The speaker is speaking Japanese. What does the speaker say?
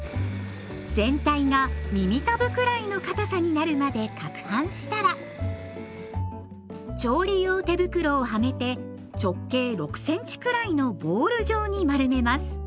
全体が耳たぶくらいのかたさになるまでかくはんしたら調理用手袋をはめて直径６センチくらいのボール状に丸めます。